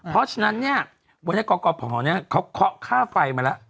เพราะฉะนั้นเนี่ยบริษัทกรกฎภเนี่ยเขาเคราะห์ค่าไฟมาแล้ว